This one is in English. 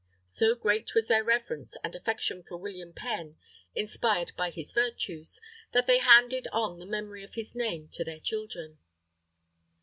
So great was their reverence and affection for William Penn, inspired by his virtues, that they handed on the memory of his name to their children.